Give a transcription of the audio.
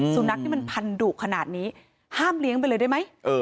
สุนัขที่มันพันดุขนาดนี้ห้ามเลี้ยงไปเลยได้ไหม